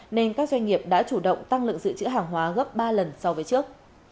nên các doanh nghiệp đã chủ động tăng lượng dự trữ hàng hóa gấp ba lần so với trước